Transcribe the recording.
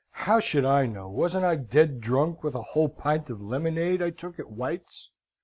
How should I know? Wasn't I dead drunk with a whole pint of lemonade I took at White's?